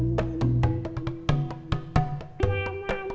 bagus juga itu kan